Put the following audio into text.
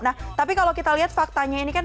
nah tapi kalau kita lihat faktanya ini kan